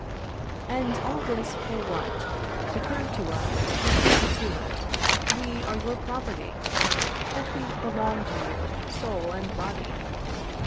And all this for what? To prove to us, that we consumers, we are your property! that we belong to you, soul and body!